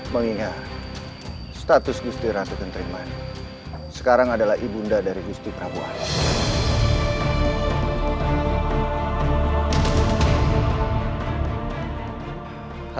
mengingat status gusti ratu kentriman sekarang adalah ibunda dari gusti prabu hanya